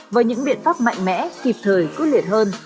với những biện pháp mạnh mẽ kịp thời quyết liệt hơn